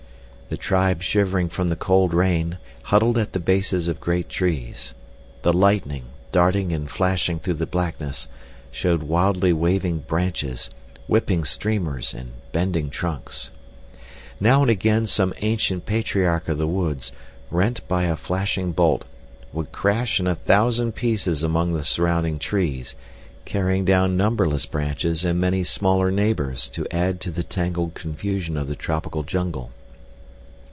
The tribe shivering from the cold rain, huddled at the bases of great trees. The lightning, darting and flashing through the blackness, showed wildly waving branches, whipping streamers and bending trunks. Now and again some ancient patriarch of the woods, rent by a flashing bolt, would crash in a thousand pieces among the surrounding trees, carrying down numberless branches and many smaller neighbors to add to the tangled confusion of the tropical jungle.